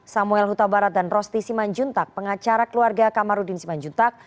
samuel huta barat dan rosti simanjuntak pengacara keluarga kamarudin simanjuntak